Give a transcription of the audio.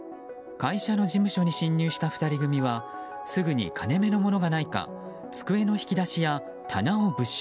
会社の事務所に侵入した２人組はすぐに金目のものがないか机の引き出しや棚を物色。